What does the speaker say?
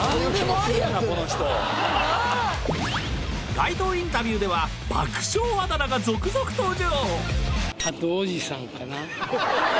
街頭インタビューでは爆笑あだ名が続々登場！